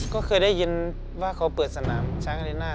ก็เคยได้ยินว่าเขาเปิดสนามช้างอาริน่า